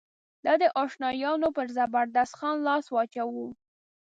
د ده اشنایانو پر زبردست خان لاس واچاوه.